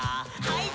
はい。